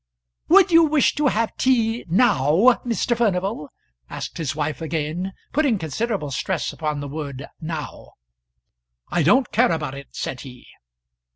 "Would you wish to have tea now, Mr. Furnival?" asked his wife again, putting considerable stress upon the word now. "I don't care about it," said he.